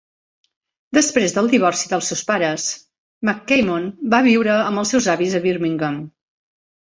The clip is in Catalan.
Després del divorci dels seus pares, McCammon va viure amb els seus avis a Birmingham.